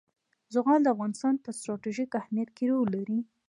زغال د افغانستان په ستراتیژیک اهمیت کې رول لري.